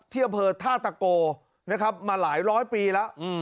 เทียบเผยท่าตะโกมาหลายร้อยปีแล้ว